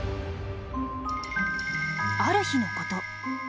ある日のこと。